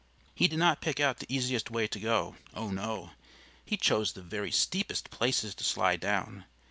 He did not pick out the easiest way to go. Oh, no! He chose the very steepest places to slide down.